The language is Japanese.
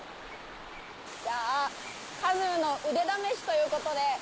じゃあカヌーの腕試しということで。